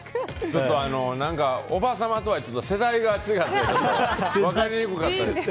ちょっとおばさまとは世代が違うから分かりにくかったです。